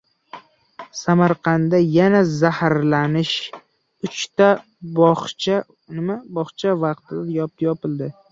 Samarqandda yana zaharlanish. Uchta bog‘cha vaqtincha yopildi